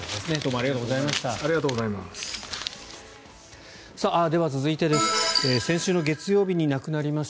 ありがとうございます。